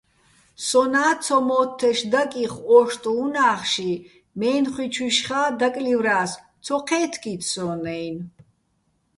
სონა́ ცომო́თთეშ დაკიხო ო́შტუჼ უ̂ნახში, მე́ნხუჲჩუჲშხა́ დაკლივრა́ს, ცო ჴე́თგიც სონ-აჲნო̆.